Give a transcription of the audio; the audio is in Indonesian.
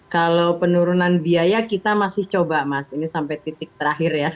kalau penurunan biaya kita masih coba mas ini sampai titik terakhir ya